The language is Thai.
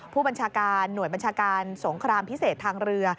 ผู้บัญชาการหน่วยบัญชาการสงครามพิเศษทางเรือ